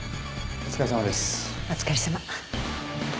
お疲れさま。